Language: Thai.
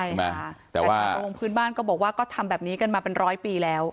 แต่ว่าชาวประมงพื้นบ้านก็บอกว่าก็ทำแบบนี้กันมาเป็นร้อยปีแล้ว